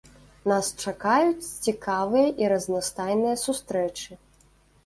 Нас чакаюць цікавыя і разнастайныя сустрэчы.